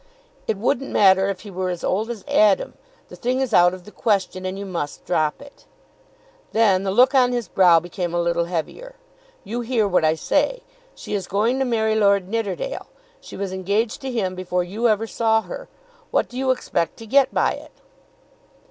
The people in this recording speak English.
"It wouldn't matter if he were as old as Adam. The thing is out of the question, and you must drop it." Then the look on his brow became a little heavier. "You hear what I say. She is going to marry Lord Nidderdale. She was engaged to him before you ever saw her. What do you expect to get by it?"